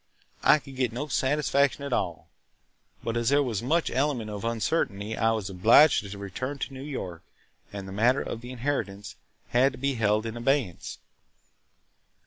I could get no satisfaction at all; but as there was so much element of uncertainty I was obliged to return to New York, and the matter of the inheritance had to be held in abeyance.